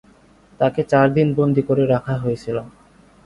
তাকে চারদিন বন্দি করে রাখা হয়েছিল।